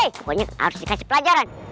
pokoknya harus dikasih pelajaran